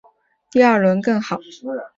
半决赛李云迪的发挥比第二轮更好。